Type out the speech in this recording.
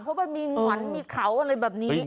เพราะมันมีหง่อนมีเขาอะไรแบบนี้